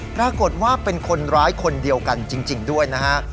ปรากฏว่าเป็นคนร้ายคนเดียวกันจริงด้วยนะฮะ